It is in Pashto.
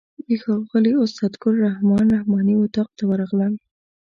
د ښاغلي استاد ګل رحمن رحماني اتاق ته ورغلم.